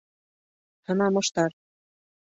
ҺЫНАМЫШТАР